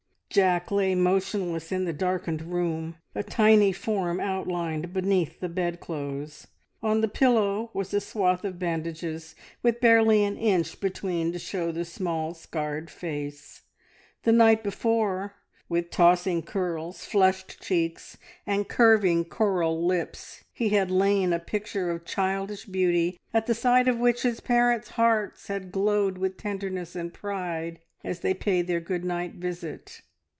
Jack lay motionless in the darkened room, a tiny form outlined beneath the bedclothes; on the pillow was a swathe of bandages, with barely an inch between to show the small, scarred face. The night before, with tossing curls, flushed cheeks, and curving coral lips, he had lain a picture of childish beauty, at sight of which his parents' hearts had glowed with tenderness and pride as they paid their good night visit.